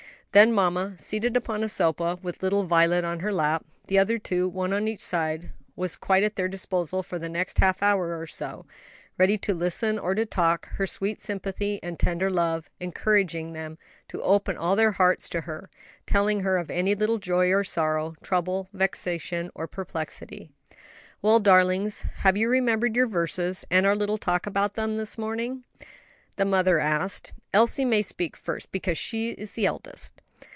Then mamma seated upon a sofa with little Violet on her lap, the other two, one on each side was quite at their disposal for the next half hour or so; ready to listen or to talk; her sweet sympathy and tender love encouraging them to open all their young hearts to her, telling her of any little joy or sorrow, trouble, vexation, or perplexity. "Well, darlings, have you remembered your verses and our little talk about them this morning?" the mother asked. "Elsie may speak first, because she is the eldest."